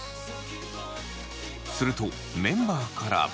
するとメンバーから。